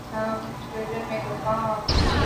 英阿战争可能指